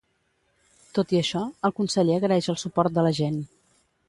Tot i això el conseller agraeix el suport de la gent.